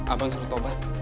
abang suruh tobat